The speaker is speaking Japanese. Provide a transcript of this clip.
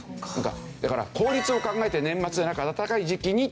だから効率を考えて年末ではなく暖かい時期にという。